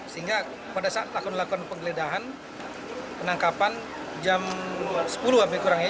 sehingga pada saat lakukan penggeledahan penangkapan jam sepuluh hampir kurangnya